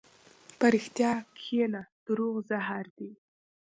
په رښتیا کښېنه، دروغ زهر دي.